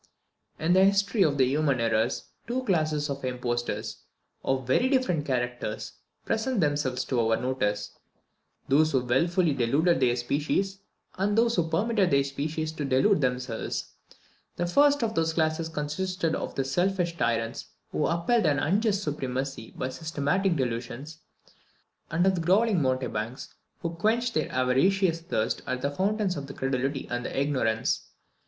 In the history of human errors two classes of impostors, of very different characters, present themselves to our notice those who wilfully deluded their species, and those who permitted their species to delude themselves. The first of those classes consisted of the selfish tyrants who upheld an unjust supremacy by systematic delusions, and of grovelling mountebanks who quenched their avaricious thirst at the fountains of credulity and ignorance.